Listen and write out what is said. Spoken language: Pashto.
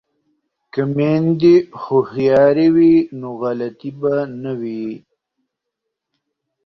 که میندې هوښیارې وي نو غلطي به نه وي.